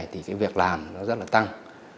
thì việc làm rất là tăng